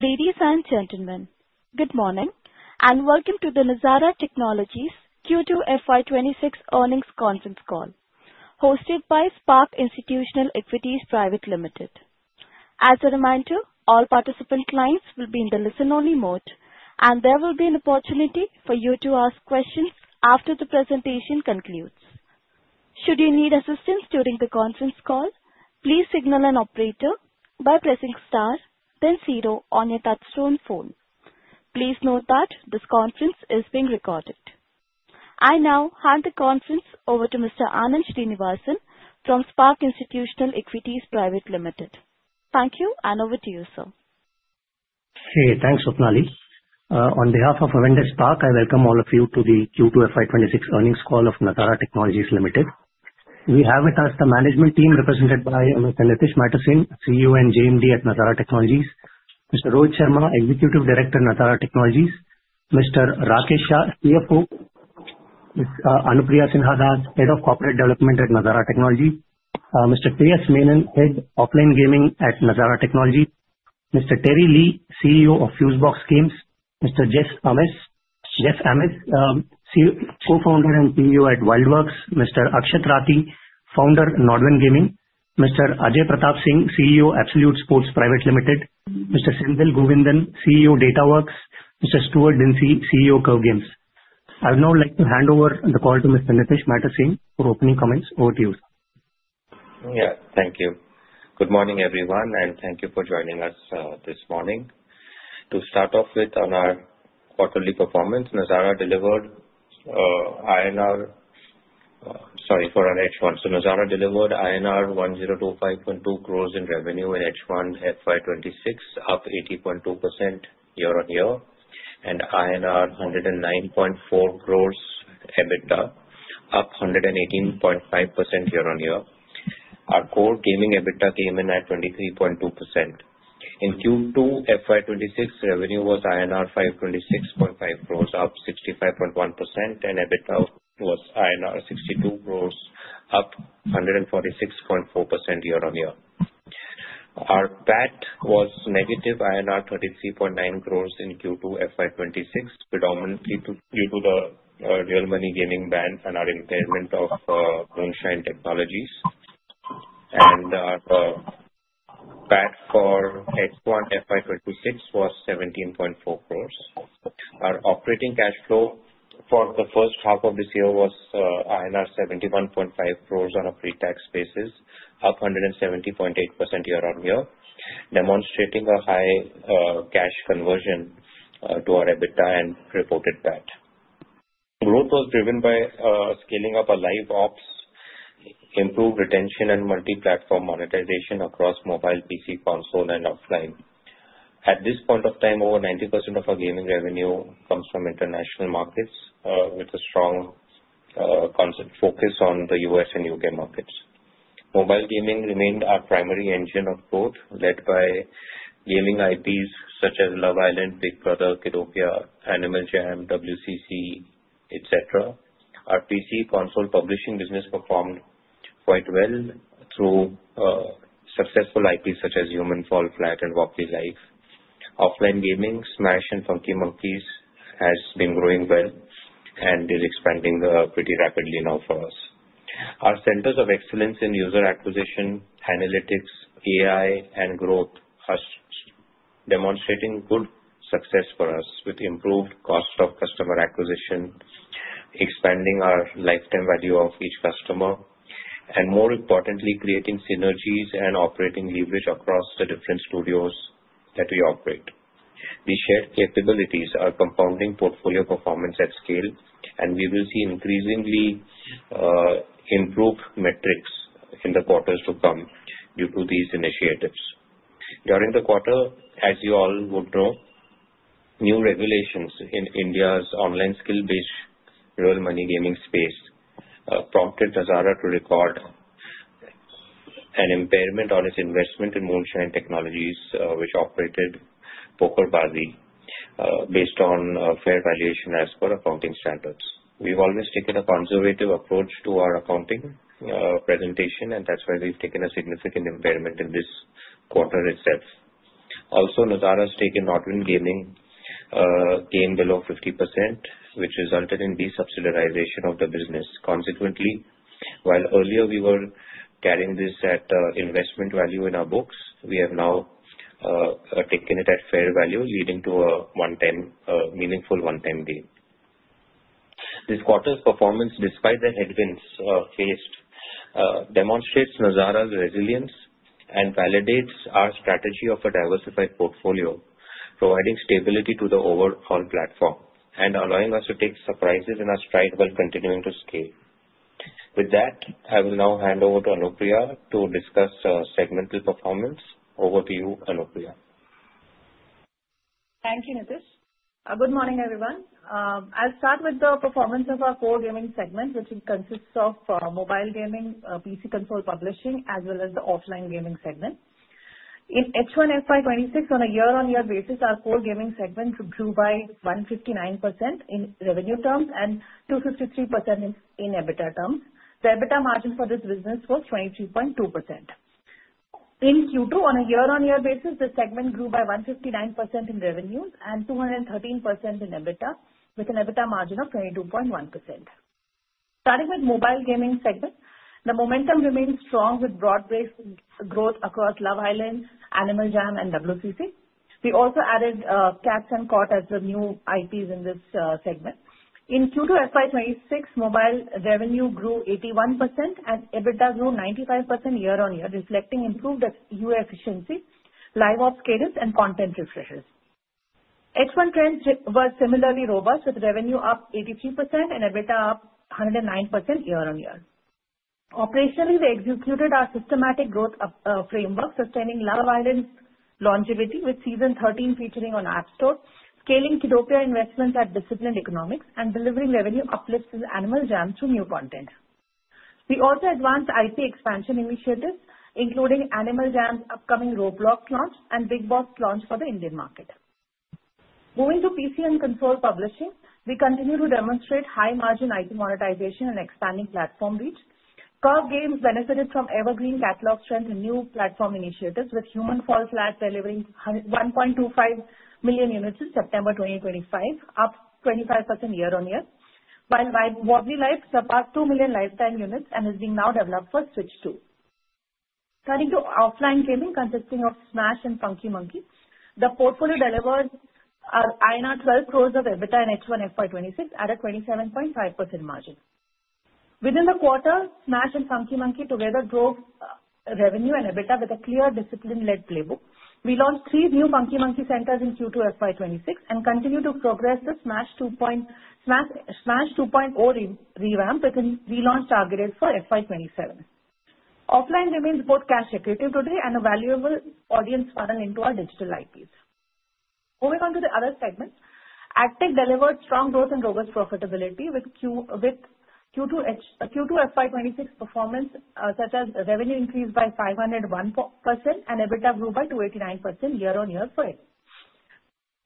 Ladies and gentlemen, good morning and welcome to the Nazara Technologies Q2 FY26 earnings conference call, hosted by Spark Institutional Equities Private Limited. As a reminder, all participant lines will be in the listen-only mode, and there will be an opportunity for you to ask questions after the presentation concludes. Should you need assistance during the conference call, please signal an operator by pressing star, then zero on your touch-tone phone. Please note that this conference is being recorded. I now hand the conference over to Mr. Anand Srinivasan from Spark Institutional Equities Private Limited. Thank you, and over to you, sir. Hey, thanks, Swapnali. On behalf of Avendus Spark, I welcome all of you to the Q2 FY26 earnings call of Nazara Technologies Limited. We have with us the management team represented by Mr. Nitish Mittersain, CEO and JMD at Nazara Technologies, Mr. Rohit Sharma, Executive Director at Nazara Technologies, Mr. Rakesh Shah, CFO, Ms. Anupriya Sinha Das, Head of Corporate Development at Nazara Technologies, Mr. Priyesh Menon, Head of Offline Gaming at Nazara Technologies, Mr. Terry Lee, CEO of Fusebox Games, Mr. Jeff Amis, Co-founder and CEO at WildWorks, Mr. Akshat Rathee, Founder of Nodwin Gaming, Mr. Ajay Pratap Singh, CEO of Absolute Sports Private Limited, Mr. Senthil Govindan, CEO of Datawrkz, Mr. Stuart Dinsey, CEO of Curve Games. I would now like to hand over the call to Mr. Nitish Mittersain for opening comments. Over to you. Yeah, thank you. Good morning, everyone, and thank you for joining us this morning. To start off with on our quarterly performance, Nazara delivered INR—sorry, for our H1. So Nazara delivered INR 1,025.2 crores in revenue in H1 FY26, up 80.2% year-on-year, and INR 109.4 crores EBITDA, up 118.5% year-on-year. Our core gaming EBITDA came in at 23.2%. In Q2 FY26, revenue was INR 526.5 crores, up 65.1%, and EBITDA was INR 62 crores, up 146.4% year-on-year. Our PAT was negative INR 33.9 crores in Q2 FY26, predominantly due to the real money gaming ban and our impairment of Moonshine Technologies. Our PAT for H1 FY26 was 17.4 crores. Our operating cash flow for the first half of this year was INR 71.5 crores on a pre-tax basis, up 170.8% year-on-year, demonstrating a high cash conversion to our EBITDA and reported PAT. Growth was driven by scaling up our live ops, improved retention, and multi-platform monetization across mobile, PC, console, and offline. At this point of time, over 90% of our gaming revenue comes from international markets with a strong concept focus on the U.S. and U.K. markets. Mobile gaming remained our primary engine of growth, led by gaming IPs such as Love Island, Big Brother, Kiddopia, Animal Jam, WCC, etc. Our PC console publishing business performed quite well through successful IPs such as Human: Fall Flat and Wobbly Life. Offline gaming, Smaaash and Funky Monkeys has been growing well and is expanding pretty rapidly now for us. Our centers of excellence in user acquisition, analytics, AI, and growth are demonstrating good success for us with improved cost of customer acquisition, expanding our lifetime value of each customer, and more importantly, creating synergies and operating leverage across the different studios that we operate. These shared capabilities are compounding portfolio performance at scale, and we will see increasingly improved metrics in the quarters to come due to these initiatives. During the quarter, as you all would know, new regulations in India's online skill-based real money gaming space prompted Nazara to record an impairment on its investment in Moonshine Technologies, which operated PokerBaazi, based on fair valuation as per accounting standards. We've always taken a conservative approach to our accounting presentation, and that's why we've taken a significant impairment in this quarter itself. Also, Nazara's taken Nodwin Gaming stake below 50%, which resulted in the deconsolidation of the business. Consequently, while earlier we were carrying this at investment value in our books, we have now taken it at fair value, leading to a meaningful 110B. This quarter's performance, despite the headwinds faced, demonstrates Nazara's resilience and validates our strategy of a diversified portfolio, providing stability to the overall platform and allowing us to take surprises in our stride while continuing to scale. With that, I will now hand over to Anupriya to discuss segmental performance. Over to you, Anupriya. Thank you, Nitish. Good morning, everyone. I'll start with the performance of our core gaming segment, which consists of mobile gaming, PC console publishing, as well as the offline gaming segment. In H1 FY26, on a year-on-year basis, our core gaming segment grew by 159% in revenue terms and 253% in EBITDA terms. The EBITDA margin for this business was 23.2%. In Q2, on a year-on-year basis, the segment grew by 159% in revenue and 213% in EBITDA, with an EBITDA margin of 22.1%. Starting with mobile gaming segment, the momentum remained strong with broad-based growth across Love Island, Animal Jam, and WCC. We also added Cats & Soup as the new IPs in this segment. In Q2 FY26, mobile revenue grew 81%, and EBITDA grew 95% year-on-year, reflecting improved UA efficiency, live ops cadence, and content refreshers. H1 trends were similarly robust, with revenue up 83% and EBITDA up 109% year-on-year. Operationally, we executed our systematic growth framework, sustaining Love Island's longevity with Season 13 featuring on App Store, scaling Kiddopia investments at disciplined economics, and delivering revenue uplifts with Animal Jam through new content. We also advanced IP expansion initiatives, including Animal Jam's upcoming Roblox launch and Bigg Boss launch for the Indian market. Moving to PC and console publishing, we continue to demonstrate high-margin IP monetization and expanding platform reach. Curve Games benefited from evergreen catalog strength and new platform initiatives, with Human: Fall Flat delivering 1.25 million units in September 2025, up 25% year-on-year, while Wobbly Life surpassed 2 million lifetime units and is being now developed for Switch 2. Turning to offline gaming consisting of Smaaash and Funky Monkeys, the portfolio delivers INR 12 crores of EBITDA in H1 FY26 at a 27.5% margin. Within the quarter, Smaaash and Funky Monkeys together drove revenue and EBITDA with a clear discipline-led playbook. We launched three new Funky Monkeys centers in Q2 FY26 and continue to progress the Smaaash 2.0 revamp within relaunch targeted for FY27. Offline remains both cash-accretive today and a valuable audience funnel into our digital IPs. Moving on to the other segments, AdTech delivered strong growth and robust profitability with Q2 FY26 performance such as revenue increased by 501% and EBITDA grew by 289% year-on-year for it.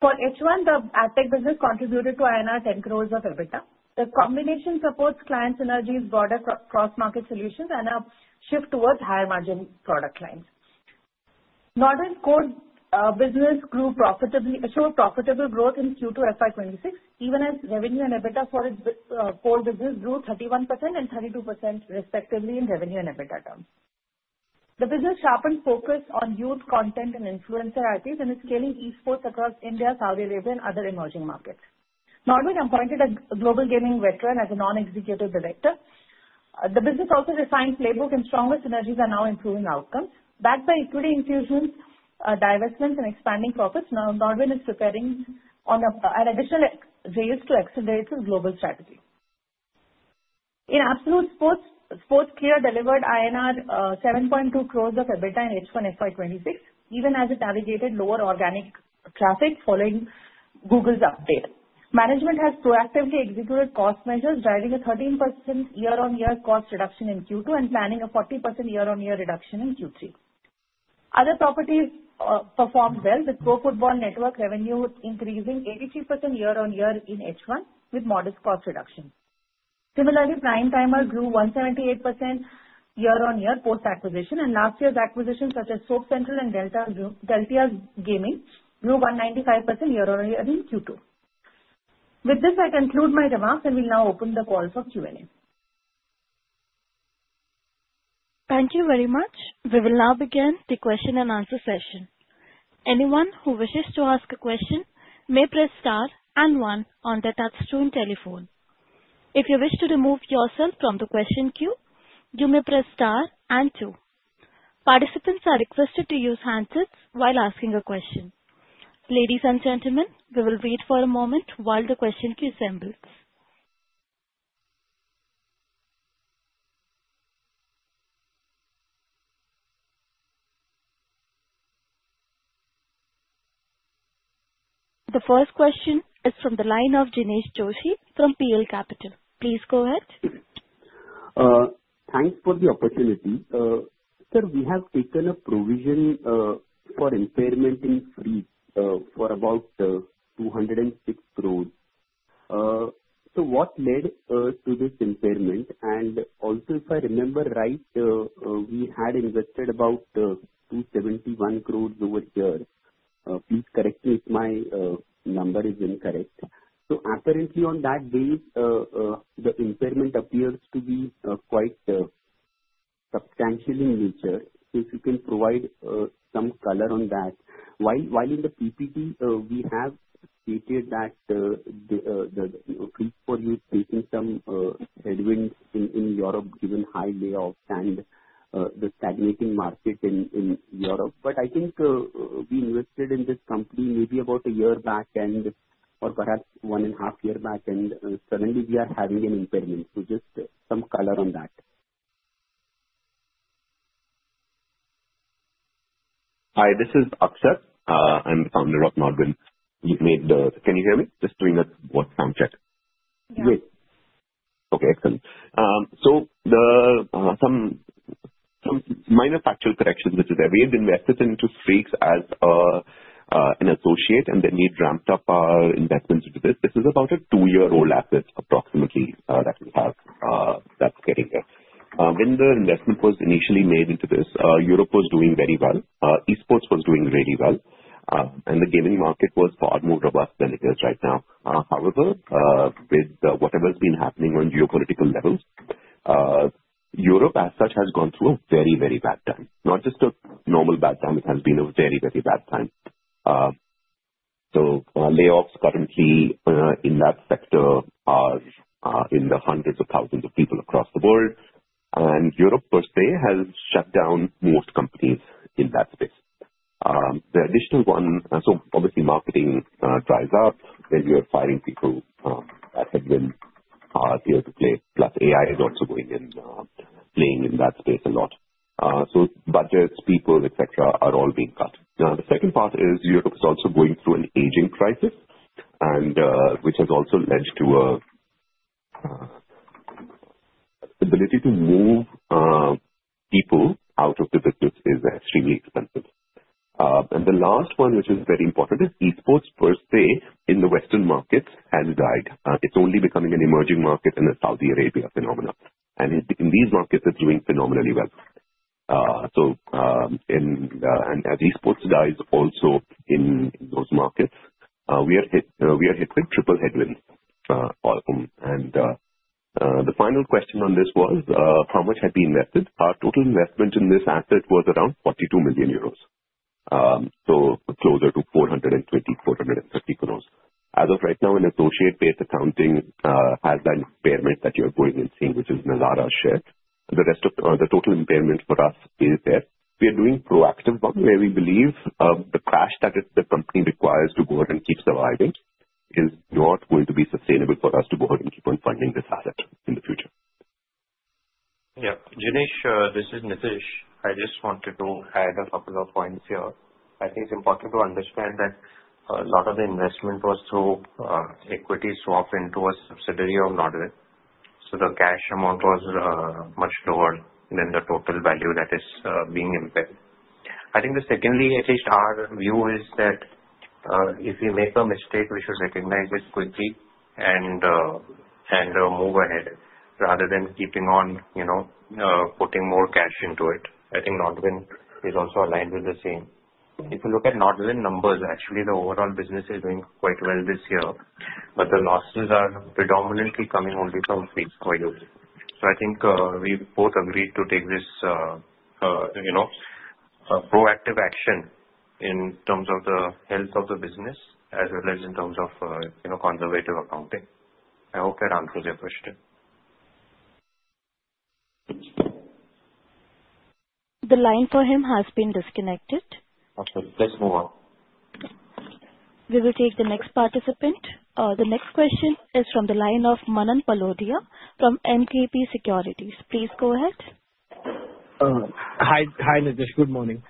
For H1, the AdTech business contributed to INR 10 crores of EBITDA. The combination supports client synergies, broader cross-market solutions, and a shift towards higher-margin product lines. Nodwin's core business showed profitable growth in Q2 FY26, even as revenue and EBITDA for its core business grew 31% and 32% respectively in revenue and EBITDA terms. The business sharpened focus on youth content and influencer IPs and is scaling esports across India, Saudi Arabia, and other emerging markets. Nodwin appointed a global gaming veteran as a non-executive director. The business also refined playbook and stronger synergies are now improving outcomes. Backed by equity infusions, divestments, and expanding profits, Nodwin is preparing an additional raise to accelerate its global strategy. In Absolute Sports, Sportskeeda delivered INR 7.2 crores of EBITDA in H1 FY26, even as it navigated lower organic traffic following Google's update. Management has proactively executed cost measures, driving a 13% year-on-year cost reduction in Q2 and planning a 40% year-on-year reduction in Q3. Other properties performed well, with Pro Football Network revenue increasing 83% year-on-year in H1 with modest cost reduction. Similarly, Primetimer grew 178% year-on-year post-acquisition, and last year's acquisitions such as Soap Central and Deltia's Gaming grew 195% year-on-year in Q2. With this, I conclude my remarks, and we'll now open the call for Q&A. Thank you very much. We will now begin the question and answer session. Anyone who wishes to ask a question may press star and one on the touchscreen telephone. If you wish to remove yourself from the question queue, you may press star and two. Participants are requested to use handsets while asking a question. Ladies and gentlemen, we will wait for a moment while the question queue assembles. The first question is from the line of Dinesh Joshi from PL Capital. Please go ahead. Thanks for the opportunity. Sir, we have taken a provision for impairment in Fusebox for about 206 crores. So what led to this impairment? And also, if I remember right, we had invested about 271 crores over here. Please correct me if my number is incorrect. So apparently, on that base, the impairment appears to be quite substantial in nature. So if you can provide some color on that. While in the PPT, we have stated that the Fusebox is facing some headwinds in Europe, given high layoffs and the stagnating market in Europe. But I think we invested in this company maybe about a year back or perhaps one and a half years back, and suddenly we are having an impairment. So just some color on that. Hi, this is Akshat. I'm the founder of Nodwin. Can you hear me? Just doing a voice sound check. Yes. Okay, excellent. So some minor factual correction, which is that we had invested into Freaks as an associate, and then we ramped up our investments into this. This is about a two-year-old asset, approximately, that we have that's getting there. When the investment was initially made into this, Europe was doing very well. Esports was doing really well. And the gaming market was far more robust than it is right now. However, with whatever's been happening on geopolitical levels, Europe as such has gone through a very, very bad time. Not just a normal bad time. It has been a very, very bad time. So layoffs currently in that sector are in the hundreds of thousands of people across the board. And Europe per se has shut down most companies in that space. The additional one, so obviously, marketing dries up when you're firing people that have been hard here to play. Plus, AI is also going in, playing in that space a lot. So budgets, people, etc., are all being cut. Now, the second part is Europe is also going through an aging crisis, which has also led to an ability to move people out of the business is extremely expensive. And the last one, which is very important, is esports per se in the Western markets has died. It's only becoming an emerging market in the Saudi Arabia phenomenon. And in these markets, it's doing phenomenally well. And as esports dies also in those markets, we are hit with triple headwinds. And the final question on this was, how much had we invested? Our total investment in this asset was around 42 million euros, so closer to 420-430 crores. As of right now, an associate-based accounting has that impairment that you're going and seeing, which is Nazara's share. The rest of the total impairment for us is there. We are doing proactive one, where we believe the cash that the company requires to go ahead and keep surviving is not going to be sustainable for us to go ahead and keep on funding this asset in the future. Yeah. Dinesh, this is Nitish. I just wanted to add a couple of points here. I think it's important to understand that a lot of the investment was through equities swapped into a subsidiary of Nodwin Gaming. So the cash amount was much lower than the total value that is being impaired. I think the secondly, at least our view is that if we make a mistake, we should recognize it quickly and move ahead rather than keeping on putting more cash into it. I think Nodwin Gaming is also aligned with the same. If you look at Nodwin Gaming numbers, actually, the overall business is doing quite well this year, but the losses are predominantly coming only from Freaks 4U Gaming. So I think we both agreed to take this proactive action in terms of the health of the business as well as in terms of conservative accounting. I hope that answers your question. The line for him has been disconnected. Okay. Let's move on. We will take the next participant. The next question is from the line of Manan Poladia from Emkay Global Financial Services. Please go ahead. Hi, Nitish. Good morning.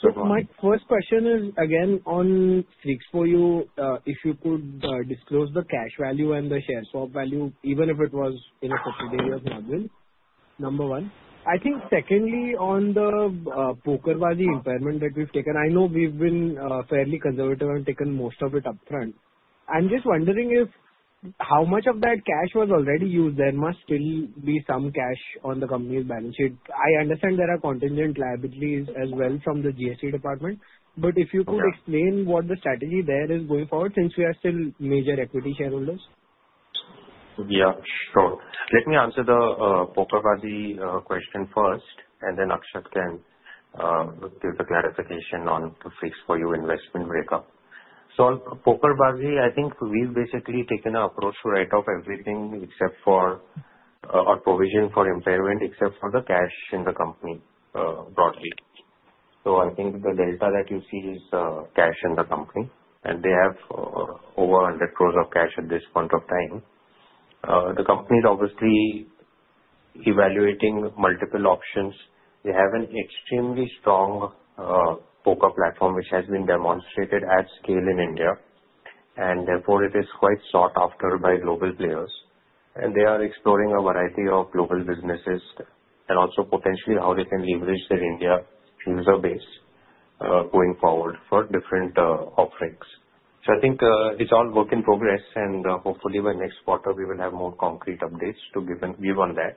So my first question is, again, on Freaks 4U Gaming, if you could disclose the cash value and the share swap value, even if it was in a subsidiary of Nodwin Gaming, number one. I think secondly, on the PokerBaazi impairment that we've taken, I know we've been fairly conservative and taken most of it upfront. I'm just wondering how much of that cash was already used. There must still be some cash on the company's balance sheet. I understand there are contingent liabilities as well from the GST department. But if you could explain what the strategy there is going forward, since we are still major equity shareholders. Yeah, sure. Let me answer the PokerBaazi question first, and then Akshat can give the clarification on the Freaks 4U investment breakup. So on PokerBaazi, I think we've basically taken an approach to write off everything except for our provision for impairment except for the cash in the company broadly. So I think the delta that you see is cash in the company. And they have over 100 crores of cash at this point of time. The company is obviously evaluating multiple options. They have an extremely strong Poker platform, which has been demonstrated at scale in India. And therefore, it is quite sought after by global players. And they are exploring a variety of global businesses and also potentially how they can leverage their India user base going forward for different offerings. So I think it's all work in progress. Hopefully, by next quarter, we will have more concrete updates to give on that.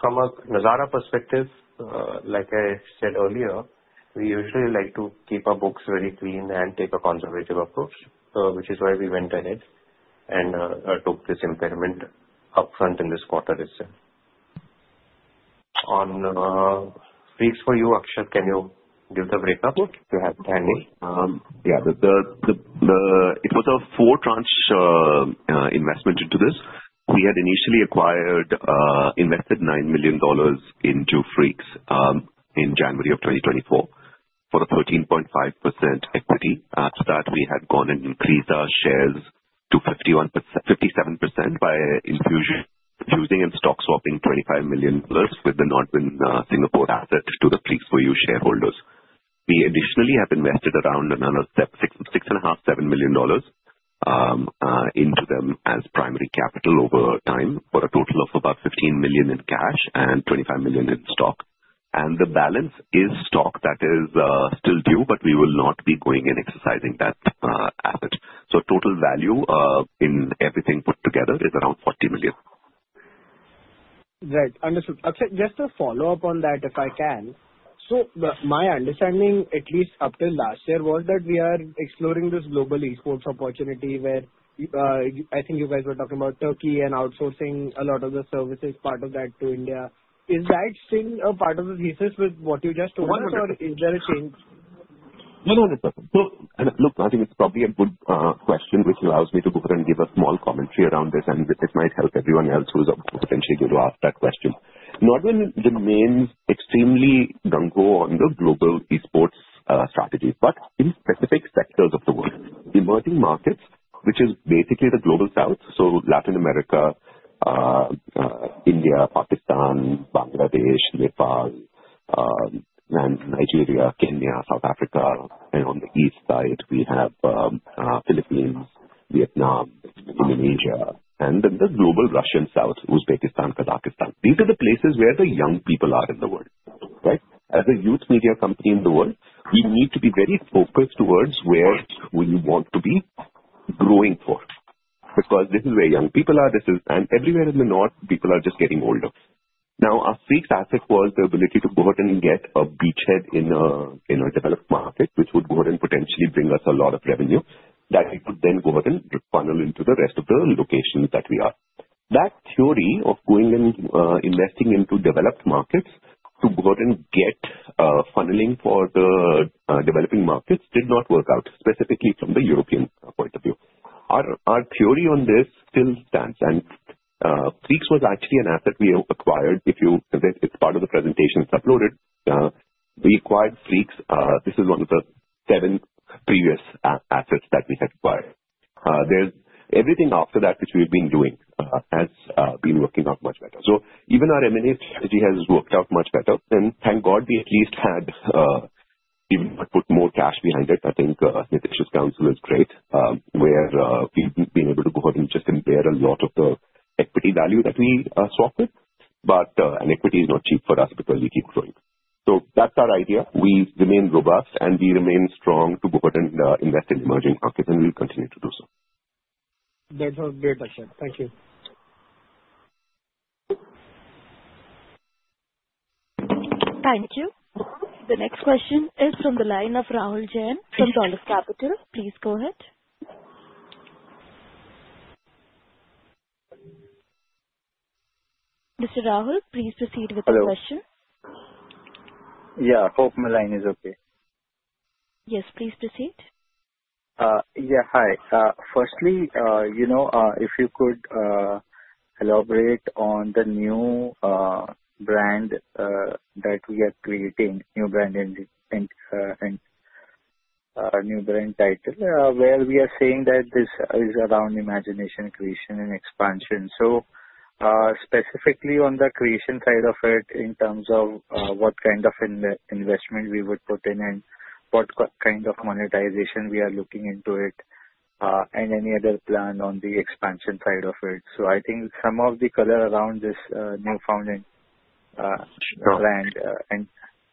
From a Nazara perspective, like I said earlier, we usually like to keep our books very clean and take a conservative approach, which is why we went ahead and took this impairment upfront in this quarter itself. On Freaks 4U, Akshat, can you give the breakup? Sure. Yeah. It was a four-tranche investment into this. We had initially invested $9 million into Freaks 4U in January of 2024 for a 13.5% equity. After that, we had gone and increased our shares to 57% by infusing and stock swapping $25 million with the Nodwin Singapore asset to the Freaks 4U shareholders. We additionally have invested around another $6.5-$7 million into them as primary capital over time for a total of about $15 million in cash and $25 million in stock, and the balance is stock that is still due, but we will not be going and exercising that asset, so total value in everything put together is around $40 million. Right. Understood. Akshat, just to follow up on that, if I can. So my understanding, at least up till last year, was that we are exploring this global Esports opportunity where I think you guys were talking about Turkey and outsourcing a lot of the services, part of that to India. Is that still a part of the thesis with what you just told us, or is there a change? No, no, no. Look, I think it's probably a good question, which allows me to go ahead and give a small commentary around this, and it might help everyone else who's potentially going to ask that question. Nodwin remains extremely gung-ho on the global esports strategy. But in specific sectors of the world, emerging markets, which is basically the global south, so Latin America, India, Pakistan, Bangladesh, Nepal, Nigeria, Kenya, South Africa. And on the east side, we have Philippines, Vietnam, Indonesia. And then the global Russian south, Uzbekistan, Kazakhstan. These are the places where the young people are in the world, right? As a youth media company in the world, we need to be very focused towards where we want to be growing for. Because this is where young people are, and everywhere in the north, people are just getting older. Now, our Freaks asset was the ability to go ahead and get a beachhead in a developed market, which would go ahead and potentially bring us a lot of revenue that we could then go ahead and funnel into the rest of the locations that we are. That theory of going and investing into developed markets to go ahead and get funneling for the developing markets did not work out, specifically from the European point of view. Our theory on this still stands, and Freaks was actually an asset we acquired. It's part of the presentation it's uploaded. We acquired Freaks. This is one of the seven previous assets that we had acquired. Everything after that, which we've been doing, has been working out much better. So even our M&A strategy has worked out much better, and thank God we at least had even put more cash behind it. I think Nitish's counsel is great, where we've been able to go ahead and just impair a lot of the equity value that we swapped with. But equity is not cheap for us because we keep growing. So that's our idea. We remain robust, and we remain strong to go ahead and invest in emerging markets, and we'll continue to do so. That's all great, Akshat. Thank you. Thank you. The next question is from the line of Rahul Jain, from Dolat Capital. Please go ahead. Mr. Rahul, please proceed with the question. Hello. Yeah. I hope my line is okay. Yes, please proceed. Yeah. Hi. Firstly, if you could elaborate on the new brand that we are creating, new brand title, where we are saying that this is around imagination, creation, and expansion. So specifically on the creation side of it, in terms of what kind of investment we would put in and what kind of monetization we are looking into it, and any other plan on the expansion side of it. So I think some of the color around this newfound brand. And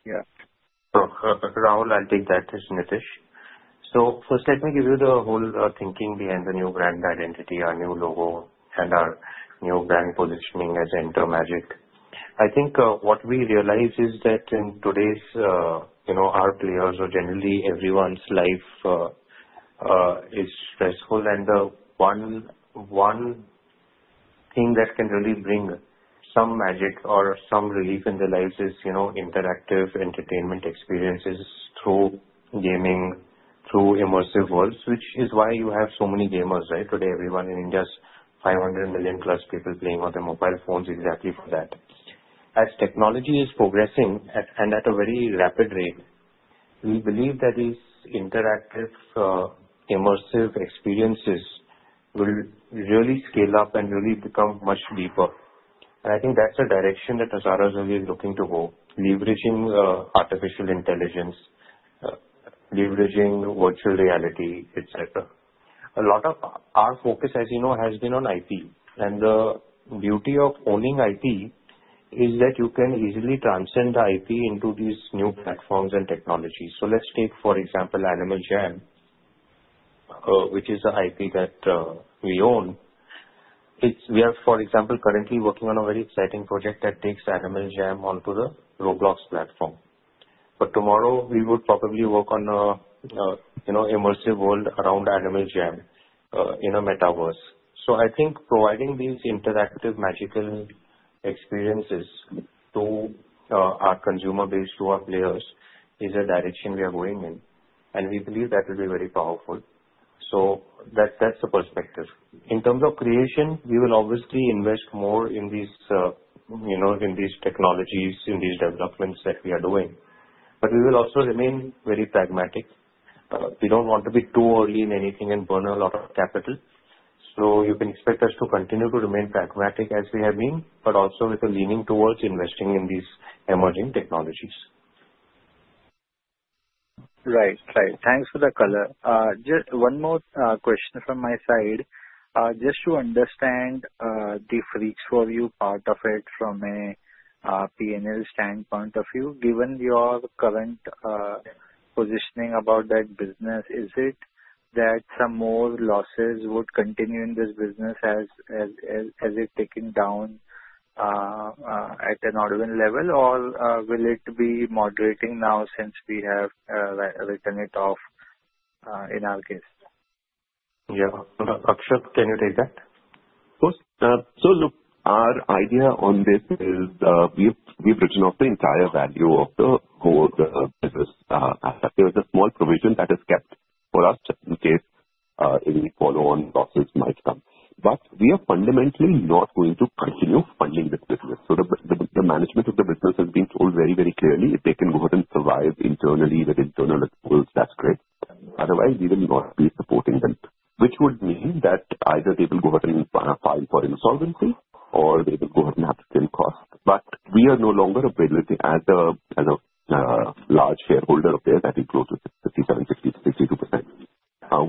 yeah. Rahul, I'll take that as Nitish. First, let me give you the whole thinking behind the new brand identity, our new logo, and our new brand positioning, Enter Magic. I think what we realize is that in today's world, our players, or generally everyone's life is stressful. And the one thing that can really bring some magic or some relief in their lives is interactive entertainment experiences through gaming, through immersive worlds, which is why you have so many gamers, right? Today, everyone in India has 500 million-plus people playing on their mobile phones exactly for that. As technology is progressing and at a very rapid rate, we believe that these interactive immersive experiences will really scale up and really become much deeper. And I think that's the direction that Nazara is really looking to go, leveraging artificial intelligence, leveraging virtual reality, etc. A lot of our focus, as you know, has been on IP. And the beauty of owning IP is that you can easily transcend the IP into these new platforms and technologies. So let's take, for example, Animal Jam, which is the IP that we own. We are, for example, currently working on a very exciting project that takes Animal Jam onto the Roblox platform. But tomorrow, we would probably work on an immersive world around Animal Jam in a metaverse. So I think providing these interactive magical experiences to our consumer base, to our players, is a direction we are going in. And we believe that will be very powerful. So that's the perspective. In terms of creation, we will obviously invest more in these technologies, in these developments that we are doing. But we will also remain very pragmatic. We don't want to be too early in anything and burn a lot of capital. So you can expect us to continue to remain pragmatic as we have been, but also with a leaning towards invinesting in these emerging technologies. Right. Right. Thanks for the color. Just one more question from my side. Just to understand the Freaks 4U part of it from a P&L standpoint of view, given your current positioning about that business, is it that some more losses would continue in this business as it's taken down at the Nodwin level, or will it be moderating now since we have written it off in our case? Yeah. Akshat, can you take that? Of course. So look, our idea on this is we've written off the entire value of the whole business asset. There is a small provision that is kept for us in case any follow-on losses might come. But we are fundamentally not going to continue funding this business. So the management of the business has been told very, very clearly, if they can go ahead and survive internally with internal accruals, that's great. Otherwise, we will not be supporting them, which would mean that either they will go ahead and file for insolvency or they will go ahead and have to cut costs. But we are no longer a priority as a large shareholder up there that we close with 57%-62%.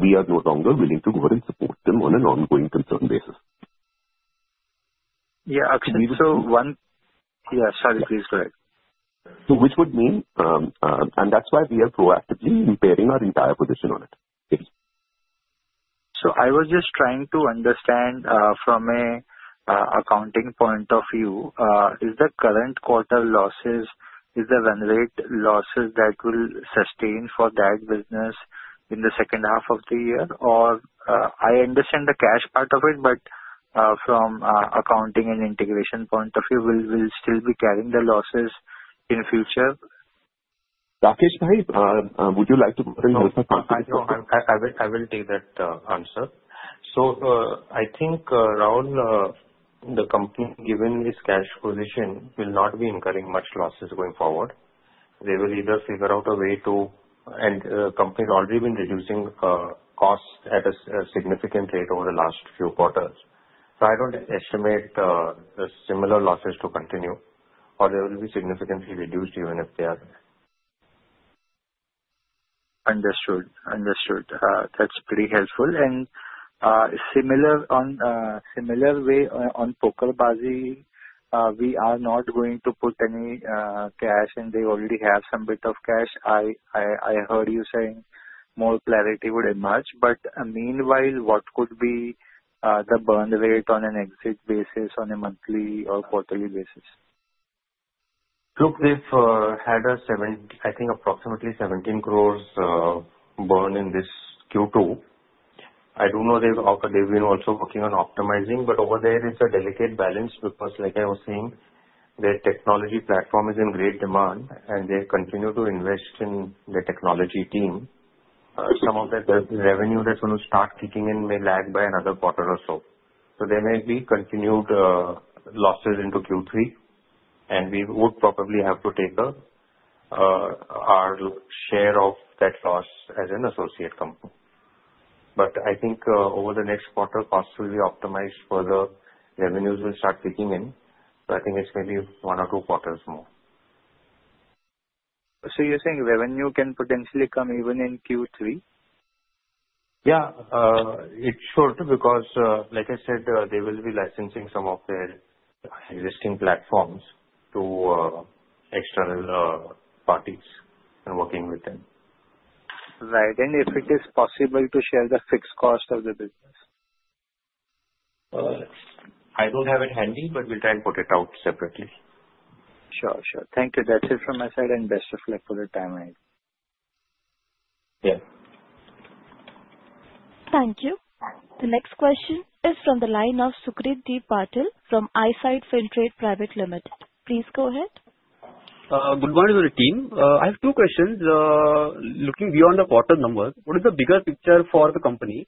We are no longer willing to go ahead and support them on an ongoing concern basis. Yeah. Akshat, so one, yeah, sorry, please go ahead. So which would mean, and that's why we are proactively impairing our entire position on it. So I was just trying to understand from an accounting point of view, is the current quarter losses, is the run rate losses that will sustain for that business in the second half of the year? Or I understand the cash part of it, but from accounting and integration point of view, will we still be carrying the losses in the future? Rakesh, maybe would you like to put a note on that? I will take that answer, so I think, Rahul, the company, given its cash position, will not be incurring much losses going forward. They will either figure out a way to, and the company has already been reducing costs at a significant rate over the last few quarters, so I don't estimate similar losses to continue, or they will be significantly reduced even if they are there. Understood. Understood. That's pretty helpful. And in a similar way on PokerBaazi, we are not going to put any cash, and they already have some bit of cash. I heard you saying more clarity would emerge. But meanwhile, what could be the burn rate on an exit basis on a monthly or quarterly basis? Look, they've had a, I think, approximately 17 crores burn in this Q2. I don't know if they've been also working on optimizing, but over there, it's a delicate balance because, like I was saying, their technology platform is in great demand, and they continue to invest in their technology team. Some of the revenue that's going to start kicking in may lag by another quarter or so. So there may be continued losses into Q3, and we would probably have to take our share of that loss as an associate company. But I think over the next quarter, costs will be optimized further. Revenues will start kicking in. So I think it's maybe one or two quarters more. So you're saying revenue can potentially come even in Q3? Yeah. It should because, like I said, they will be licensing some of their existing platforms to external parties and working with them. Right. And if it is possible to share the fixed cost of the business? I don't have it handy, but we'll try and put it out separately. Sure. Sure. Thank you. That's it from my side, and best of luck for the timeline. Yeah. Thank you. The next question is from the line of Saurabh Deep Patil from Axis Capital. Please go ahead. Good morning, Nazara team. I have two questions. Looking beyond the quarter numbers, what is the bigger picture for the company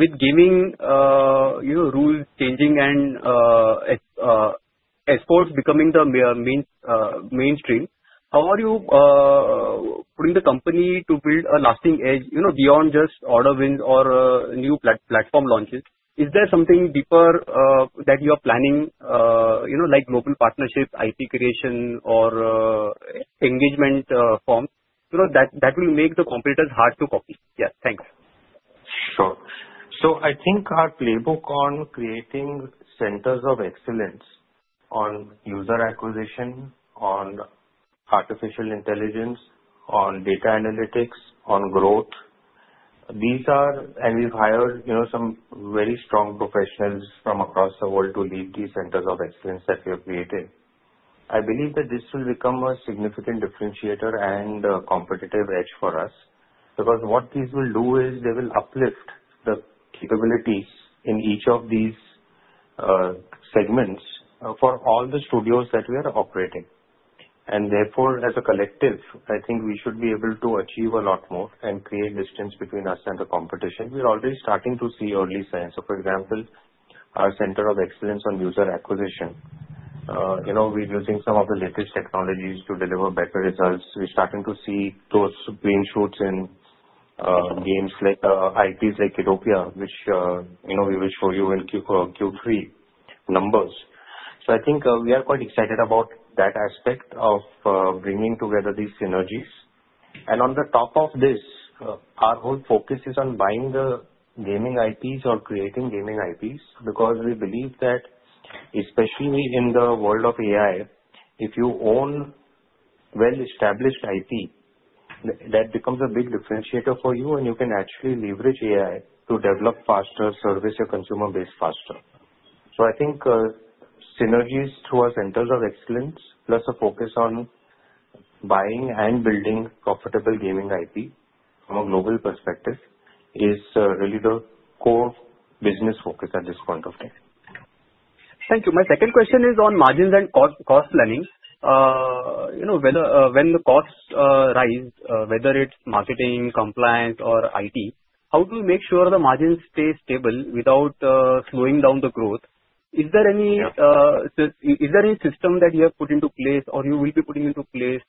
with gaming rules changing and esports becoming the mainstream? How are you putting the company to build a lasting edge beyond just order wins or new platform launches? Is there something deeper that you are planning, like global partnership, IP creation, or engagement forms that will make the competitors hard to copy? Yeah. Thanks. Sure. So I think our playbook on creating centers of excellence on user acquisition, on artificial intelligence, on data analytics, on growth, these are, and we've hired some very strong professionals from across the world to lead these centers of excellence that we have created. I believe that this will become a significant differentiator and a competitive edge for us because what these will do is they will uplift the capabilities in each of these segments for all the studios that we are operating. And therefore, as a collective, I think we should be able to achieve a lot more and create distance between us and the competition. We're already starting to see early signs. So, for example, our center of excellence on user acquisition. We're using some of the latest technologies to deliver better results. We're starting to see those being shoots in games like IPs like Utopia, which we will show you in Q3 numbers, so I think we are quite excited about that aspect of bringing together these synergies, and on the top of this, our whole focus is on buying the gaming IPs or creating gaming IPs because we believe that, especially in the world of AI, if you own well-established IP, that becomes a big differentiator for you, and you can actually leverage AI to develop faster, service your consumer base faster, so I think synergies through our centers of excellence, plus a focus on buying and building profitable gaming IP from a global perspective, is really the core business focus at this point of time. Thank you. My second question is on margins and cost planning. When the costs rise, whether it's marketing, compliance, or IT, how do we make sure the margins stay stable without slowing down the growth? Is there any system that you have put into place or you will be putting into place,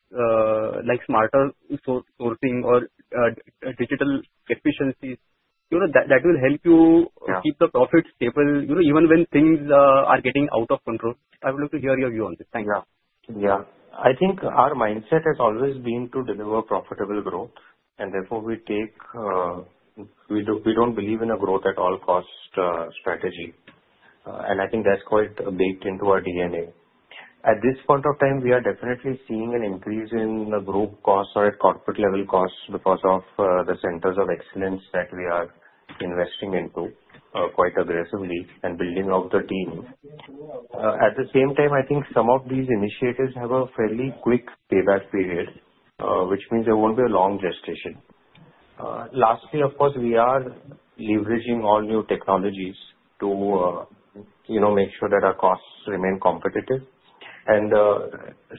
like smarter sourcing or digital efficiencies, that will help you keep the profits stable even when things are getting out of control? I would love to hear your view on this. Thanks. Yeah. I think our mindset has always been to deliver profitable growth, and therefore we don't believe in a growth-at-all-cost strategy. And I think that's quite baked into our DNA. At this point of time, we are definitely seeing an increase in the group costs or at corporate-level costs because of the centers of excellence that we are investing into quite aggressively and building out the team. At the same time, I think some of these initiatives have a fairly quick payback period, which means there won't be a long gestation. Lastly, of course, we are leveraging all new technologies to make sure that our costs remain competitive. And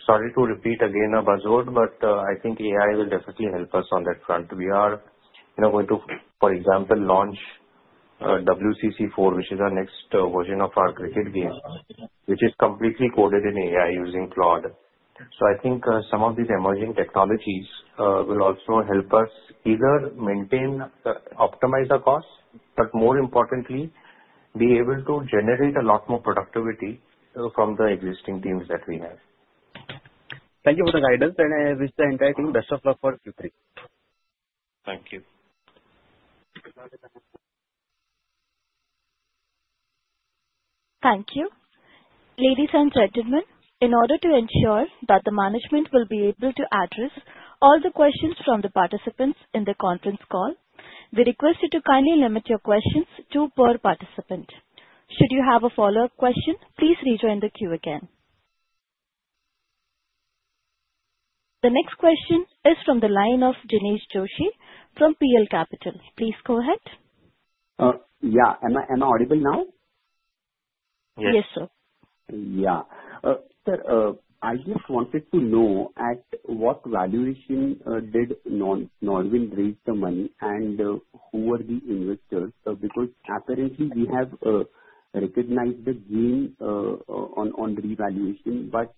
sorry to repeat again a buzzword, but I think AI will definitely help us on that front. We are going to, for example, launch WCC4, which is our next version of our cricket game, which is completely coded in AI using Claude. So I think some of these emerging technologies will also help us either optimize our costs, but more importantly, be able to generate a lot more productivity from the existing teams that we have. Thank you for the guidance, and I wish the entire team best of luck for Q3. Thank you. Thank you. Ladies and gentlemen, in order to ensure that the management will be able to address all the questions from the participants in the conference call, we request you to kindly limit your questions to per participant. Should you have a follow-up question, please rejoin the queue again. The next question is from the line of Dinesh Joshi from PL Capital. Please go ahead. Yeah. Am I audible now? Yes, sir. Yeah. Sir, I just wanted to know at what valuation did Nodwin raise the money and who were the investors? Because apparently, we have recognized the gain on revaluation, but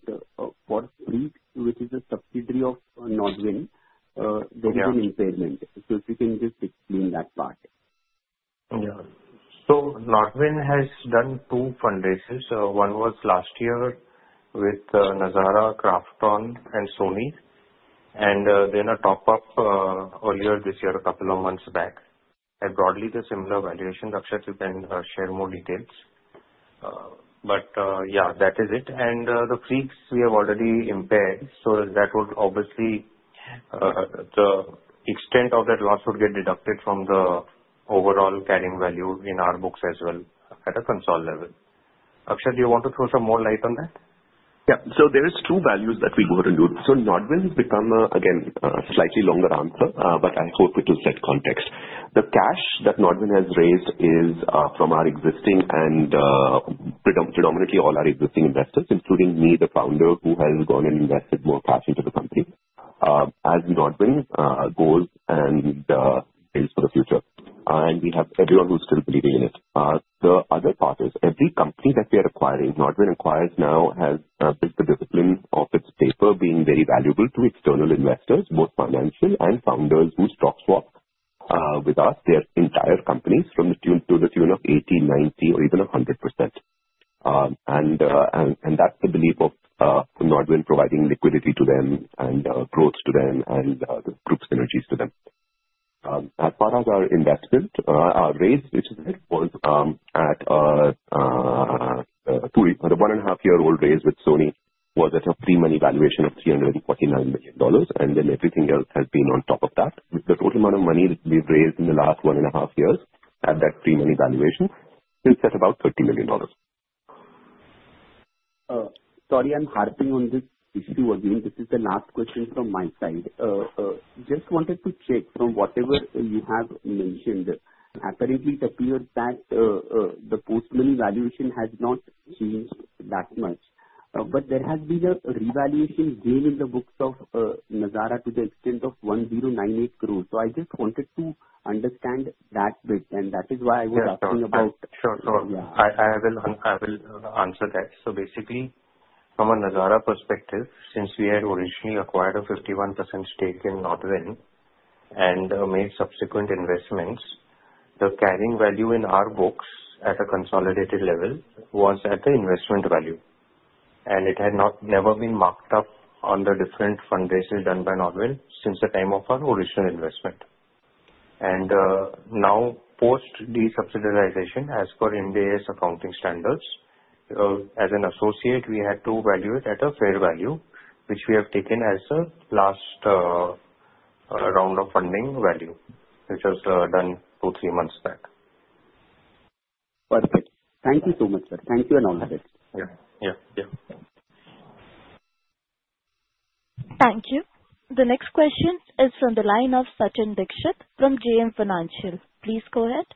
for Freaks, which is a subsidiary of Nodwin, there is an impairment. So if you can just explain that part. Yeah. So Nodwin has done two fundraisers. One was last year with Nazara, Krafton, and Sony. And then a top-up earlier this year, a couple of months back, at broadly the similar valuation. Akshat, you can share more details. But yeah, that is it. And the Freaks, we have already impaired. So that would obviously the extent of that loss would get deducted from the overall carrying value in our books as well at a consol level. Akshat, do you want to throw some more light on that? Yeah. So there are two values that we go ahead and do. So Nodwin has become, again, a slightly longer answer, but I hope it will set context. The cash that Nodwin has raised is from our existing and predominantly all our existing investors, including me, the founder, who has gone and invested more cash into the company as Nodwin goals and aims for the future. And we have everyone who's still believing in it. The other part is every company that we are acquiring, Nodwin acquires now has built the discipline of its paper being very valuable to external investors, both financial and founders who stock swap with us their entire companies to the tune of 80%, 90%, or even 100%. And that's the belief of Nodwin providing liquidity to them and growth to them and group synergies to them. As far as our investment, our raise, which was at the one-and-a-half-year-old raise with Sony, was at a pre-money valuation of $349 million. And then everything else has been on top of that. The total amount of money that we've raised in the last one-and-a-half years at that pre-money valuation is at about $30 million. Sorry, I'm harping on this issue again. This is the last question from my side. Just wanted to check from whatever you have mentioned. Apparently, it appears that the post-money valuation has not changed that much, but there has been a revaluation gain in the books of Nazara to the extent of 1,098 crores. So I just wanted to understand that bit, and that is why I was asking about. Sure. Sure. I will answer that. So basically, from a Nazara perspective, since we had originally acquired a 51% stake in Nodwin and made subsequent investments, the carrying value in our books at a consolidated level was at the investment value. And it had never been marked up on the different fundraisers done by Nodwin since the time of our original investment. And now, post-de-subsidiarization, as per Ind AS accounting standards, as an associate, we had to value it at a fair value, which we have taken as the last round of funding value, which was done two or three months back. Perfect. Thank you so much, sir. Thank you and all of it. Yeah. Yeah. Yeah. Thank you. The next question is from the line of Sachin Dixit from JM Financial. Please go ahead.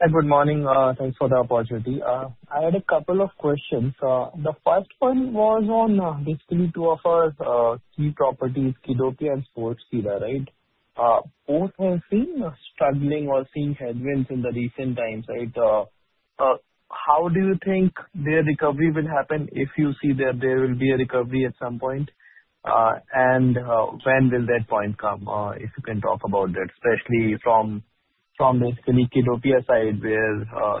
Good morning. Thanks for the opportunity. I had a couple of questions. The first one was on basically two of our key properties, Kiddopia and Sportskeeda, right? Both have been struggling or seeing headwinds in the recent times, right? How do you think their recovery will happen if you see that there will be a recovery at some point? And when will that point come? If you can talk about that, especially from basically Kiddopia's side where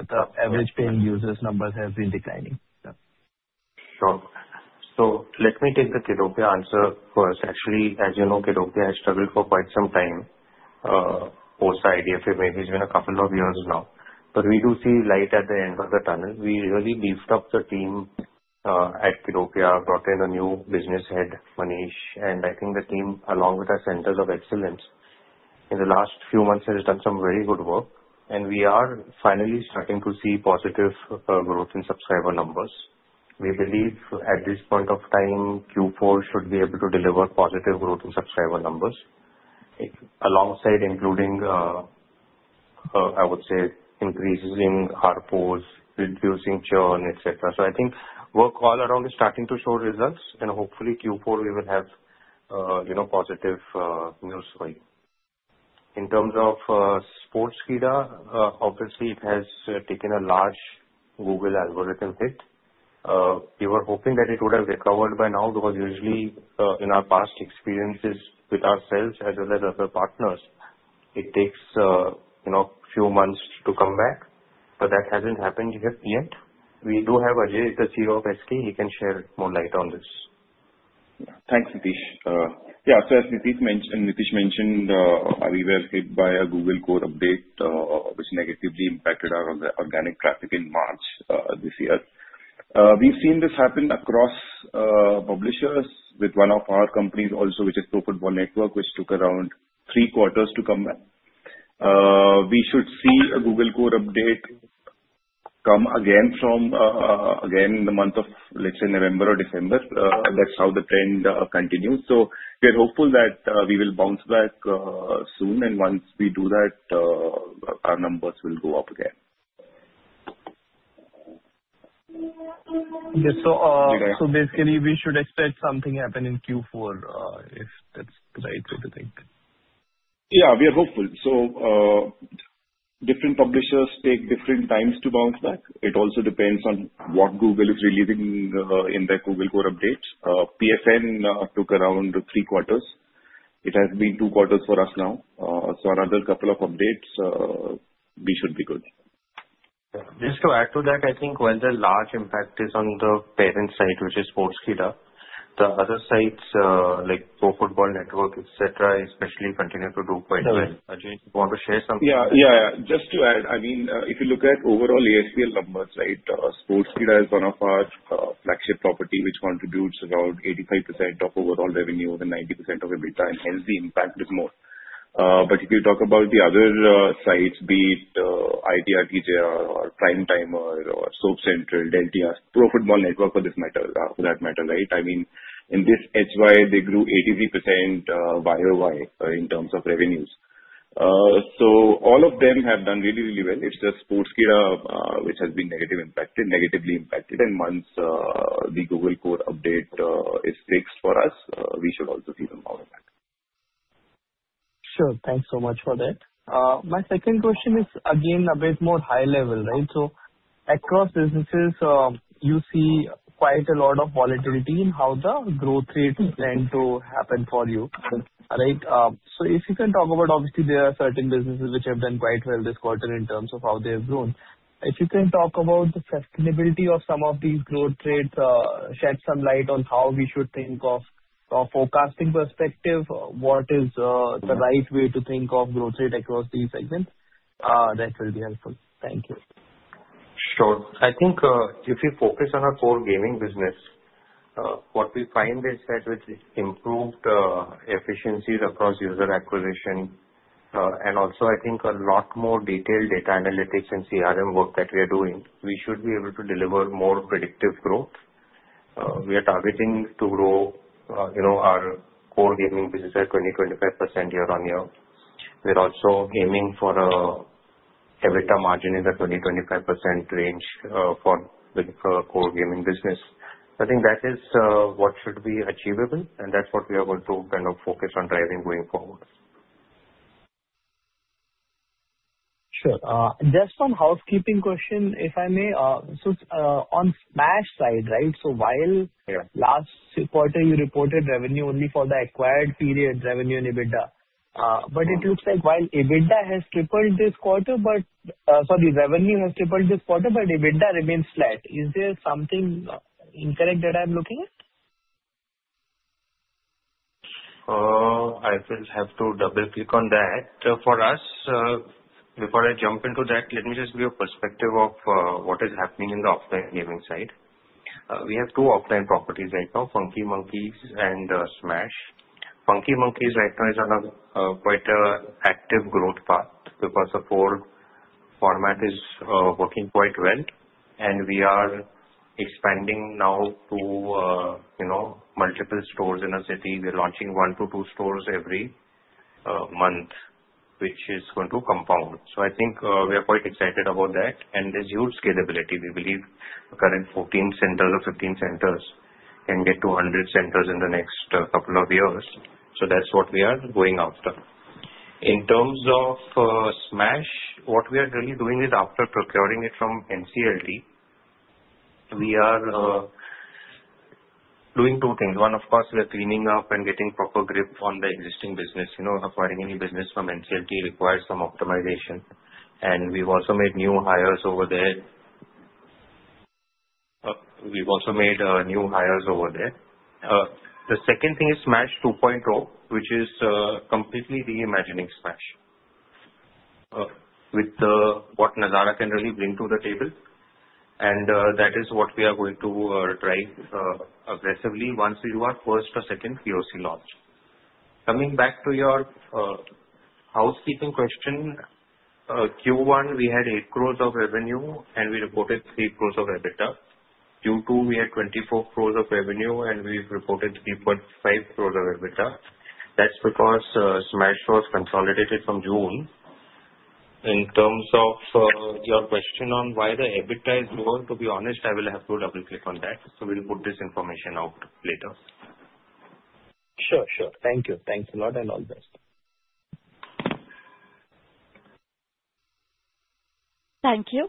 the average paying users' numbers have been declining. Sure. So let me take the Kiddopia answer first. Actually, as you know, Kiddopia has struggled for quite some time. Post-IDFA, it may have been a couple of years now. But we do see light at the end of the tunnel. We really beefed up the team at Kiddopia, brought in a new business head, Manish. And I think the team, along with our centers of excellence, in the last few months has done some very good work. And we are finally starting to see positive growth in subscriber numbers. We believe at this point of time, Q4 should be able to deliver positive growth in subscriber numbers alongside including, I would say, increases in our ARPU, reducing churn, etc. So I think work all around is starting to show results. And hopefully, Q4, we will have positive news for you. In terms of Sportskeeda, obviously, it has taken a large Google algorithm hit. We were hoping that it would have recovered by now because usually, in our past experiences with ourselves as well as other partners, it takes a few months to come back. But that hasn't happened yet. We do have Ajay, the CEO of SK. He can shed more light on this. Thanks, Nitish. Yeah, so as Nitish mentioned, we were hit by a Google Core Update which negatively impacted our organic traffic in March this year. We've seen this happen across publishers with one of our companies also, which is Pro Football Network, which took around three quarters to come back. We should see a Google Core Update come again from, again, the month of, let's say, November or December. That's how the trend continues. So we are hopeful that we will bounce back soon, and once we do that, our numbers will go up again. Yeah. So basically, we should expect something to happen in Q4, if that's the right way to think. Yeah. We are hopeful. So different publishers take different times to bounce back. It also depends on what Google is releasing in their Google Core updates. PSN took around three quarters. It has been two quarters for us now. So another couple of updates, we should be good. Just to add to that, I think when the large impact is on the parent side, which is Sportskeeda, the other sites like Pro Football Network, etc., especially continue to do quite well. Ajay, do you want to share something? Just to add, I mean, if you look at overall ASBL numbers, right, Sportskeeda is one of our flagship properties which contributes around 85% of overall revenue and 90% of EBITDA, hence the impact is more. But if you talk about the other sites, be it TGR or Primetimer or Soap Central, Deltia's, Pro Football Network for that matter, right? I mean, in this HY, they grew 83% YOY in terms of revenues. So all of them have done really, really well. It's just Sportskeeda which has been negatively impacted, and once the Google Core Update is fixed for us, we should also see some more impact. Sure. Thanks so much for that. My second question is, again, a bit more high level, right? So across businesses, you see quite a lot of volatility in how the growth rate is meant to happen for you, right? So if you can talk about, obviously, there are certain businesses which have done quite well this quarter in terms of how they have grown. If you can talk about the sustainability of some of these growth rates, shed some light on how we should think of our forecasting perspective, what is the right way to think of growth rate across these segments, that will be helpful. Thank you. Sure. I think if we focus on our core gaming business, what we find is that with improved efficiencies across user acquisition and also, I think, a lot more detailed data analytics and CRM work that we are doing, we should be able to deliver more predictive growth. We are targeting to grow our core gaming business at 20%-25% year on year. We're also aiming for an EBITDA margin in the 20%-25% range for the core gaming business. I think that is what should be achievable, and that's what we are going to kind of focus on driving going forward. Sure. Just one housekeeping question, if I may. So on Smaaash side, right, so while last quarter, you reported revenue only for the acquired period revenue and EBITDA, but it looks like while EBITDA has tripled this quarter, but sorry, revenue has tripled this quarter, but EBITDA remains flat. Is there something incorrect that I'm looking at? I will have to double-click on that. For us, before I jump into that, let me just give you a perspective of what is happening in the offline gaming side. We have two offline properties right now, Funky Monkeys and Smaaash. Funky Monkeys right now is on a quite active growth path because the core format is working quite well, and we are expanding now to multiple stores in our city. We are launching one to two stores every month, which is going to compound, so I think we are quite excited about that, and there's huge scalability. We believe the current 14 centers or 15 centers can get to 100 centers in the next couple of years, so that's what we are going after. In terms of Smaaash, what we are really doing is, after procuring it from NCLT, we are doing two things. One, of course, we are cleaning up and getting proper grip on the existing business. Acquiring any business from NCLT requires some optimization. We've also made new hires over there. The second thing is Smaaash 2.0, which is completely reimagining Smaaash with what Nazara can really bring to the table. That is what we are going to drive aggressively once we do our first or second POC launch. Coming back to your housekeeping question, Q1, we had 8 crores of revenue, and we reported 3 crores of EBITDA. Q2, we had 24 crores of revenue, and we reported 3.5 crores of EBITDA. That's because Smaaash was consolidated from June. In terms of your question on why the EBITDA is lower, to be honest, I will have to double-click on that. We'll put this information out later. Sure. Sure. Thank you. Thanks a lot and all the best. Thank you.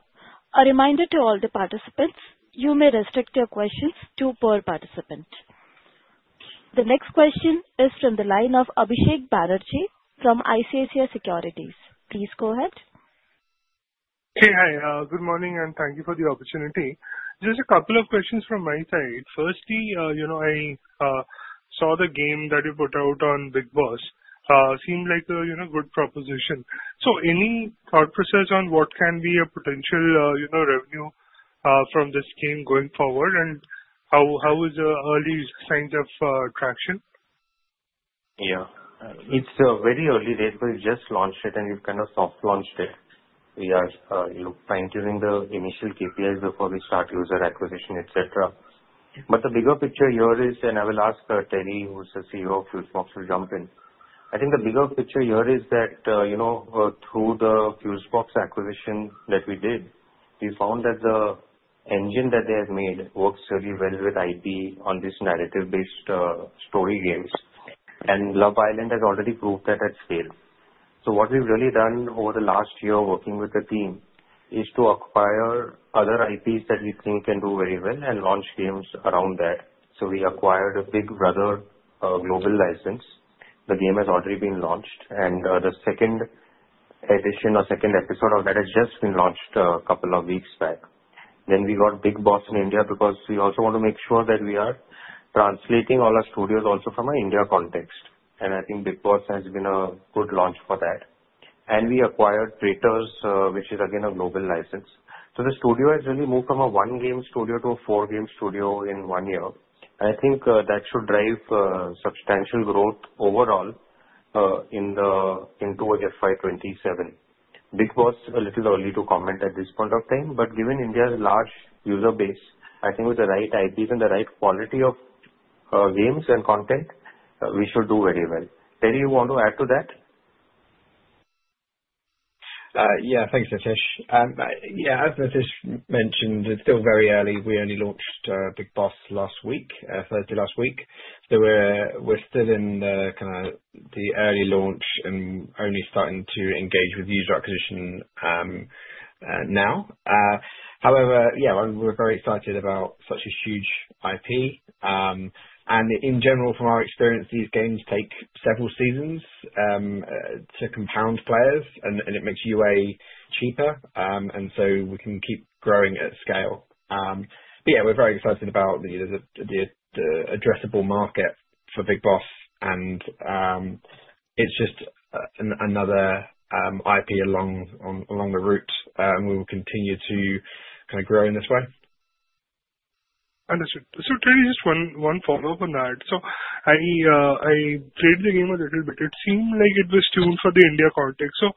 A reminder to all the participants, you may restrict your questions to per participant. The next question is from the line of Abhisek Banerjee from ICICI Securities. Please go ahead. Hey, hi. Good morning, and thank you for the opportunity. Just a couple of questions from my side. Firstly, I saw the game that you put out on Bigg Boss. Seemed like a good proposition. So any thought process on what can be a potential revenue from this game going forward, and how is the early signs of traction? Yeah. It's a very early date. We've just launched it, and we've kind of soft-launched it. We are fine-tuning the initial KPIs before we start user acquisition, etc. But the bigger picture here is, and I will ask Terry, who's the CEO of Fusebox, to jump in. I think the bigger picture here is that through the Fusebox acquisition that we did, we found that the engine that they have made works really well with IP on these narrative-based story games. And Love Island has already proved that at scale. So what we've really done over the last year working with the team is to acquire other IPs that we think can do very well and launch games around that. So we acquired a Big Brother global license. The game has already been launched. And the second edition or second episode of that has just been launched a couple of weeks back. Then we got Bigg Boss in India because we also want to make sure that we are translating all our studios also from an India context. And I think Bigg Boss has been a good launch for that. And we acquired The Traitors, which is again a global license. So the studio has really moved from a one-game studio to a four-game studio in one year. And I think that should drive substantial growth overall into FY 27. Bigg Boss is a little early to comment at this point of time. But given India's large user base, I think with the right IPs and the right quality of games and content, we should do very well. Terry, you want to add to that? Yeah. Thanks, Nitish. Yeah. As Nitish mentioned, it's still very early. We only launched Bigg Boss last week, Thursday last week. We're still in kind of the early launch and only starting to engage with user acquisition now. However, yeah, we're very excited about such a huge IP. And in general, from our experience, these games take several seasons to compound players, and it makes UA cheaper. And so we can keep growing at scale. But yeah, we're very excited about the addressable market for Bigg Boss. And it's just another IP along the route. And we will continue to kind of grow in this way. Understood. So, Terry, just one follow-up on that. So, I played the game a little bit. It seemed like it was tuned for the India context. So,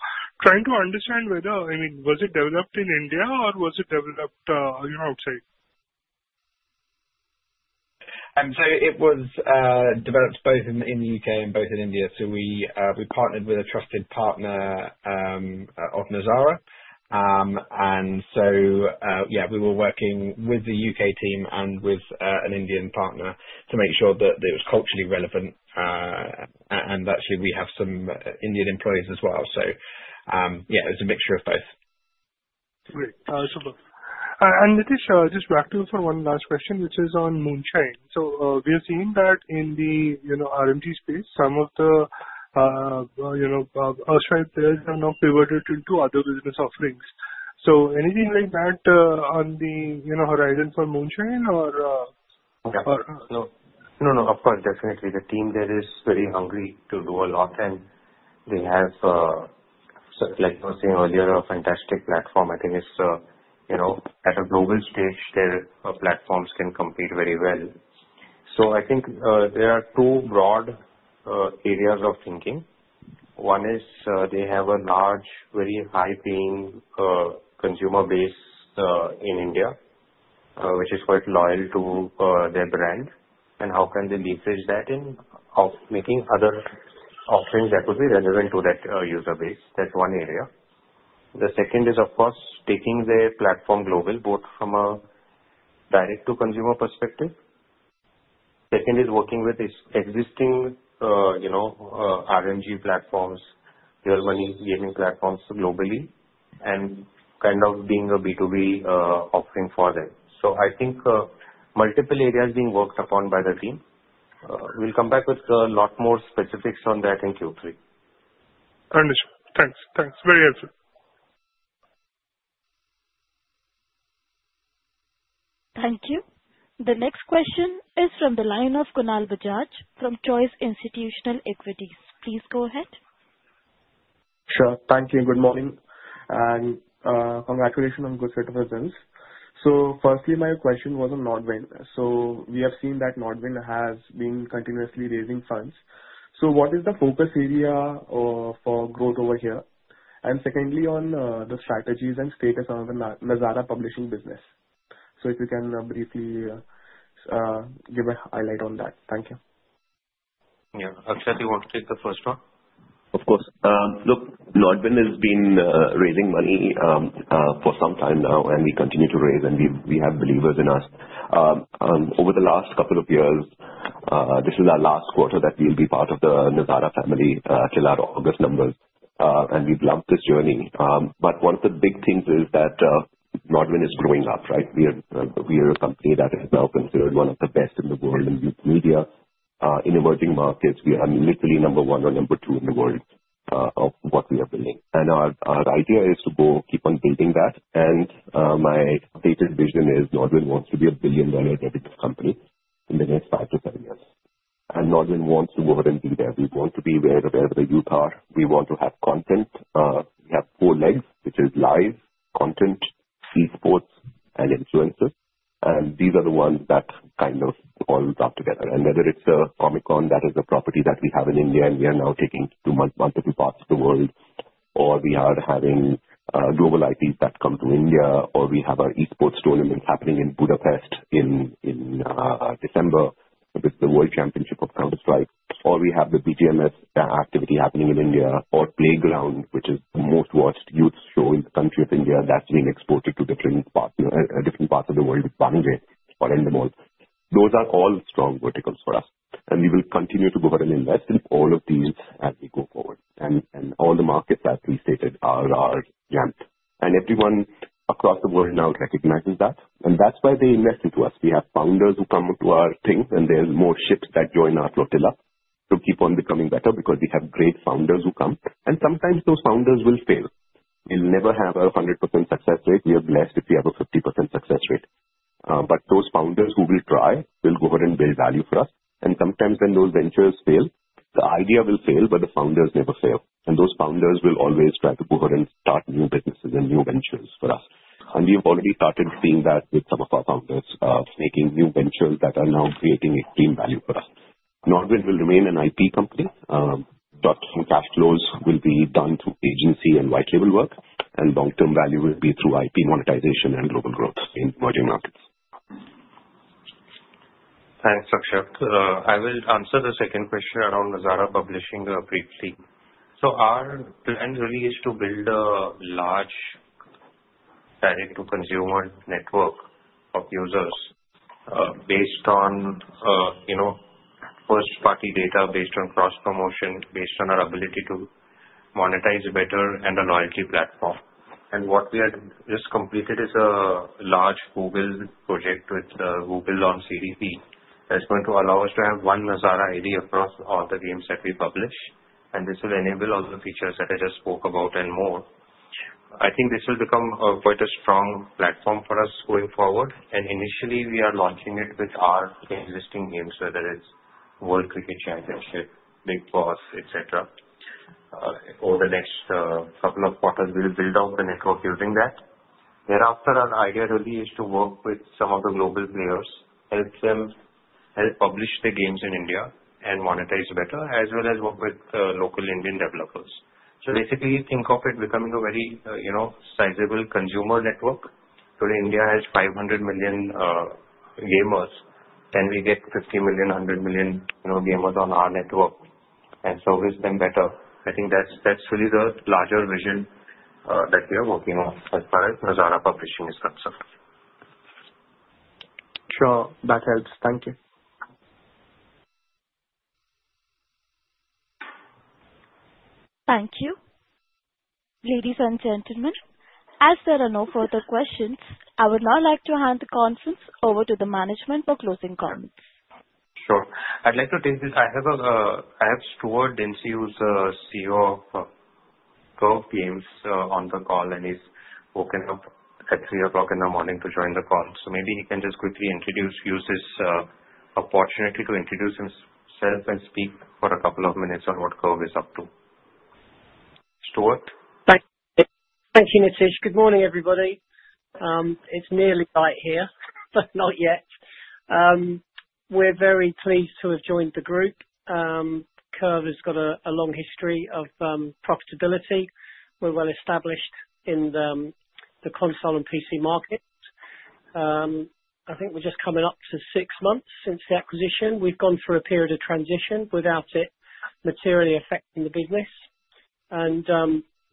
trying to understand whether, I mean, was it developed in India or was it developed outside? So it was developed both in the UK and both in India. So we partnered with a trusted partner of Nazara. And so yeah, we were working with the UK team and with an Indian partner to make sure that it was culturally relevant. And actually, we have some Indian employees as well. So yeah, it was a mixture of both. Great. That's a lot. And Nitish, just back to you for one last question, which is on Moonshine. So we have seen that in the RMG space, some of the top players have now pivoted into other business offerings. So anything like that on the horizon for Moonshine or? No, no, no. Of course, definitely. The team there is very hungry to do a lot. And they have, like I was saying earlier, a fantastic platform. I think it's at a global stage where platforms can compete very well. So I think there are two broad areas of thinking. One is they have a large, very high-paying consumer base in India, which is quite loyal to their brand. And how can they leverage that in making other offerings that would be relevant to that user base? That's one area. The second is, of course, taking their platform global, both from a direct-to-consumer perspective. Second is working with existing RMG platforms, real money gaming platforms globally, and kind of being a B2B offering for them. So I think multiple areas being worked upon by the team. We'll come back with a lot more specifics on that in Q3. Understood. Thanks. Thanks. Very helpful. Thank you. The next question is from the line of Kunal Bajaj from Choice Institutional Equities. Please go ahead. Sure. Thank you. Good morning and congratulations on good set of results, so firstly, my question was on Nodwin, so we have seen that Nodwin has been continuously raising funds, so what is the focus area for growth over here? And secondly, on the strategies and status of the Nazara publishing business, so if you can briefly give a highlight on that. Thank you. Yeah. Actually, I want to take the first one. Of course. Look, Nodwin has been raising money for some time now, and we continue to raise, and we have believers in us. Over the last couple of years, this is our last quarter that we'll be part of the Nazara family till our August numbers, and we've loved this journey, but one of the big things is that Nodwin is growing up, right? We are a company that is now considered one of the best in the world in youth media. In emerging markets, we are literally number one or number two in the world of what we are building, and our idea is to go keep on building that, and my updated vision is Nodwin wants to be a billion-dollar revenue company in the next five to seven years, and Nodwin wants to go ahead and be there. We want to be where the youth are. We want to have content. We have four legs, which is live, content, esports, and influencers, and these are the ones that kind of all rub together, and whether it's a Comic-Con that is a property that we have in India and we are now taking to multiple parts of the world, or we are having global IPs that come to India, or we have our esports tournaments happening in Budapest in December with the World Championship of Counter-Strike, or we have the BGMS activity happening in India, or Playground, which is the most-watched youth show in the country of India that's being exported to different parts of the world with Banijay or Endemol. Those are all strong verticals for us, and we will continue to go ahead and invest in all of these as we go forward, and all the markets that we stated are jammed. Everyone across the world now recognizes that. That's why they invest into us. We have founders who come to our thing, and there are more ships that join our flotilla to keep on becoming better because we have great founders who come. Sometimes those founders will fail. We'll never have a 100% success rate. We are blessed if we have a 50% success rate. But those founders who will try will go ahead and build value for us. Sometimes when those ventures fail, the idea will fail, but the founders never fail. Those founders will always try to go ahead and start new businesses and new ventures for us. We have already started seeing that with some of our founders making new ventures that are now creating extreme value for us. Nodwin will remain an IP company. Cash flows will be done through agency and white-label work, and long-term value will be through IP monetization and global growth in emerging markets. Thanks, Akshat. I will answer the second question around Nazara publishing briefly. Our plan really is to build a large direct-to-consumer network of users based on first-party data, based on cross-promotion, based on our ability to monetize better, and a loyalty platform. What we have just completed is a large Google project with Google on CDP that's going to allow us to have one Nazara ID across all the games that we publish. This will enable all the features that I just spoke about and more. I think this will become quite a strong platform for us going forward. Initially, we are launching it with our existing games, whether it's World Cricket Championship, Bigg Boss, etc. Over the next couple of quarters, we will build out the network using that. Thereafter, our idea really is to work with some of the global players, help them help publish the games in India and monetize better, as well as work with local Indian developers. So basically, think of it becoming a very sizable consumer network. Today, India has 500 million gamers. Can we get 50 million, 100 million gamers on our network and service them better? I think that's really the larger vision that we are working on as far as Nazara publishing is concerned. Sure. That helps. Thank you. Thank you. Ladies and gentlemen, as there are no further questions, I would now like to hand the conference over to the management for closing comments. Sure. I'd like to take this. I have Stuart Dinsey, who's the CEO of Curve Games, on the call, and he's woken up at 3:00 A.M. to join the call. So maybe he can just quickly introduce, use his opportunity to introduce himself and speak for a couple of minutes on what Curve is up to. Stuart? Thank you, Nitish. Good morning, everybody. It's nearly light here, but not yet. We're very pleased to have joined the group. Curve has got a long history of profitability. We're well established in the console and PC markets. I think we're just coming up to six months since the acquisition. We've gone through a period of transition without it materially affecting the business.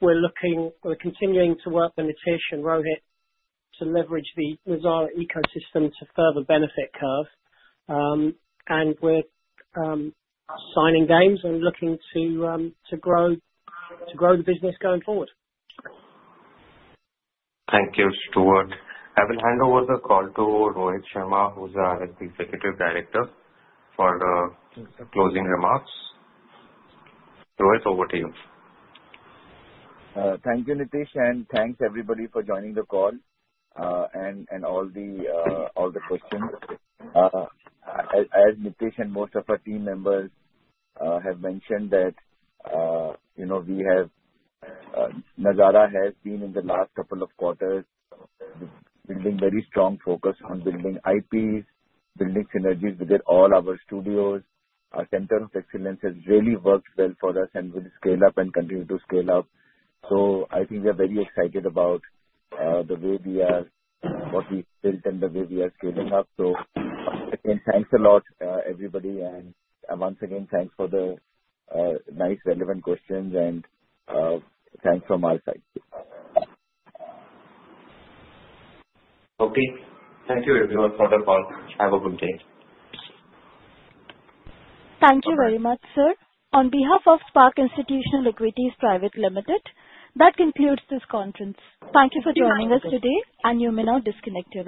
And we're continuing to work with Nitish and Rohit to leverage the Nazara ecosystem to further benefit Curve. And we're signing games and looking to grow the business going forward. Thank you, Stuart. I will hand over the call to Rohit Sharma, who's our Executive Director for closing remarks. Rohit, over to you. Thank you, Nitish, and thanks, everybody, for joining the call and all the questions. As Nitish and most of our team members have mentioned, Nazara has been, in the last couple of quarters, building very strong focus on building IPs, building synergies within all our studios. Our Center of Excellence has really worked well for us, and we'll scale up and continue to scale up. So I think we are very excited about the way we are - what we've built and the way we are scaling up. So again, thanks a lot, everybody. And once again, thanks for the nice, relevant questions, and thanks from our side. Okay. Thank you, everyone, for the call. Have a good day. Thank you very much, sir. On behalf of Spark Institutional Equities Private Limited, that concludes this conference. Thank you for joining us today, and you may now disconnect us.